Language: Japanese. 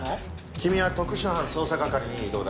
君は特殊犯捜査係に異動だ。